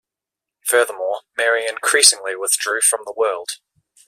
Furthermore, Mary increasingly withdrew from the world.